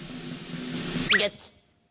ゲッツ。